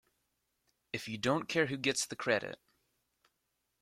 If you don't care who gets the credit.